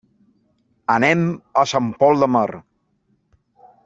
Anem a Sant Pol de Mar.